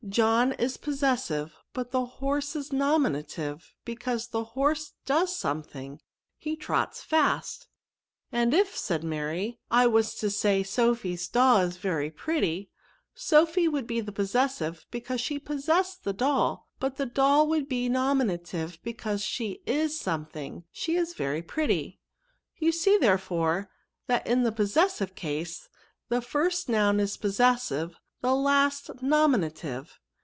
* John is possessive, but horse is nominative, because the horse does something ; he trots fast." " And if," said Mary, I was to say Sophy's doll is very pretty, Sophy would be possessive, because she possessed the doll; but doU would be nominative, because she is something, she is very pretty." You see, therefore, that in the posses* sive case, the first noun is possessive; the last, nominative."